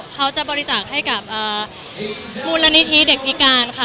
เขาจะบริจาคให้กับมูลนิธิเด็กพิการค่ะ